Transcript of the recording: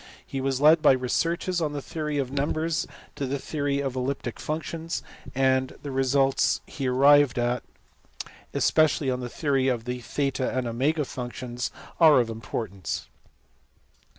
He was led by his researches on the theory of numbers to the theory of elliptic functions, and the results he arrived at, especially on the theory of the theta and omega functions, are of importance.